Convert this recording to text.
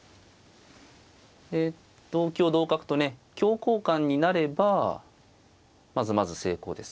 で同香同角とね香交換になればまずまず成功です。